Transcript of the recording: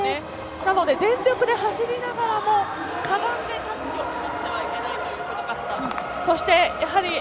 なので全力で走りながらもかがんでタッチをしなくてはいけないということがあります。